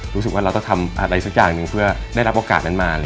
รู้สึกว่าเราต้องทำอะไรสักอย่างหนึ่งเพื่อได้รับโอกาสนั้นมา